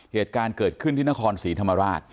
เหตุการณ์เกิดขึ้นที่นครศรีธรรมราช